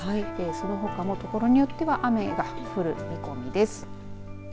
そのほかもところによっては雨が降る見込みです。